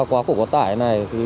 quá khổ có tải